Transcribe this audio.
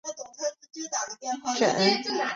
滇木姜子为樟科木姜子属下的一个种。